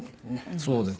そうですね。